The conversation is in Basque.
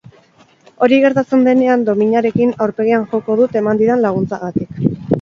Hori gertatzen denean dominarekin aurpegian joko dut eman didan laguntzagatik.